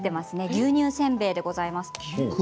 牛乳せんべいでございます。